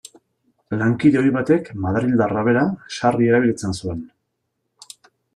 Lankide ohi batek, madrildarra bera, sarri erabiltzen zuen.